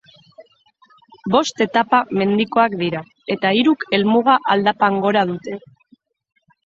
Bost etapa mendikoak dira, eta hiruk helmuga aldapan gora dute.